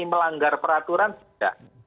melanggar peraturan tidak